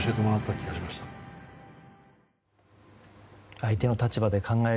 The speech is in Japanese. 相手の立場で考える。